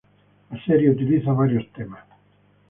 La serie utiliza varios temas.